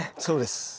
そうです。